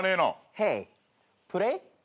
ヘイプレイ？